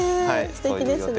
すてきですね。